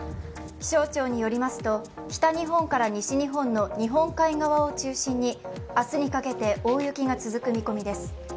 気象庁によりますと北日本から西日本の日本海側を中心に明日にかけて大雪が続く見込みです。